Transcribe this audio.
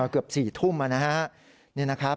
เกือบ๔ทุ่มนะฮะ